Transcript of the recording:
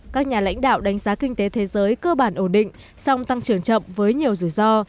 các nhà lãnh đạo đánh giá kinh tế thế giới cơ bản ổn định song tăng trưởng chậm với nhiều rủi ro